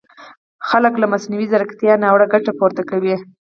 خلک له مصنوعي ځیرکیتا ناوړه ګټه پورته کوي!